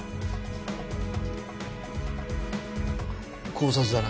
絞殺だな。